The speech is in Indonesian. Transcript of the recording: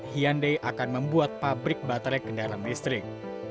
dua ribu dua puluh empat hyundai akan membuat pabrik baterai kendaraan listrik